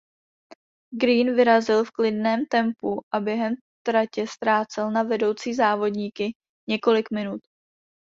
Green vyrazil v klidném tempu a během tratě ztrácel na vedoucí závodníky několik minut.